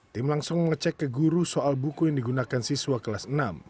tim langsung mengecek ke guru soal buku yang digunakan siswa kelas enam